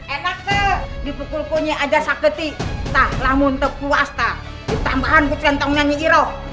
enak tuh dipukul kunyit ada sakit itah lamun tepuk wasta ditambahan kecentong nyanyi roh